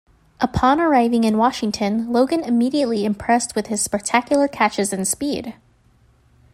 Upon arriving in Washington, Logan immediately impressed with his spectacular catches and speed.